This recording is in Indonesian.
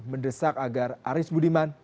mendesak agar aris budiman